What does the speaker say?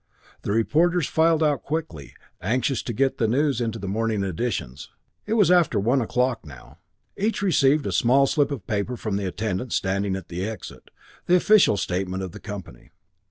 The reporters filed out quickly, anxious to get the news into the morning editions, for it was after one o'clock now. Each received a small slip of paper from the attendant standing at the exit, the official statement of the company.